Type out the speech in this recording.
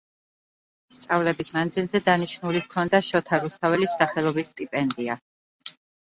სწავლების მანძილზე დანიშნული ჰქონდა შოთა რუსთაველის სახელობის სტიპენდია.